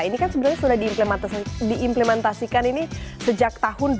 ini kan sebenarnya sudah diimplementasikan ini sejak tahun dua ribu delapan